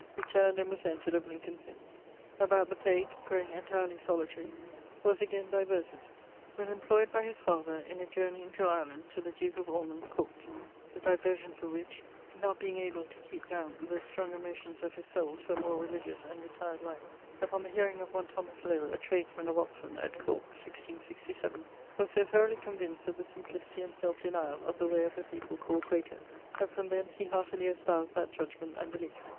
Returnd and was entred of Lincoln's Inne. About the plague, growing entirely solitary, was again diverted. Was employed by his father in a journey into Ireland to the duke of Ormond's court: the diversions of which not being able to keepe downe the stronger motions of his soule to a more religious and retired life, upon the hearing of one Th Lowe, a tradesman, of Oxon, at Cork, 1667, was so thoroughly convinced of the simplicity and selfe deniall of the way of the people called Quakers that from thence he heartily espoused that judgment and beliefe.